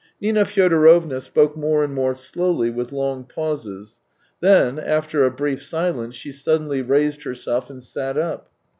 ..." Nina Fyodorovna spoke more and more slowly with long pauses, then after a brief silence she suddenly raised herself and sat up.